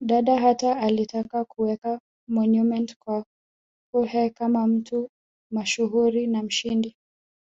Dada hata alitaka kuweka monument kwa Fuhrer kama mtu mashuhuri na mshindi